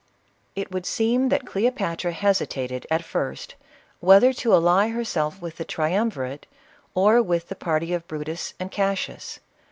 It would seem that Cleopatra hesitated, at first, whether to ally herself with the Triumvirate, or with the party of Brutus and Cassius.